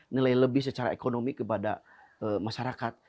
nilai lebih secara ekonomi kepada masyarakat